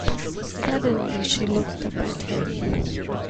Suddenly she looked up at him.